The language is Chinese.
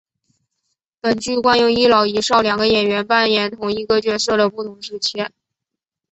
本剧惯用一老一少两个演员扮演同一个角色的不同时期。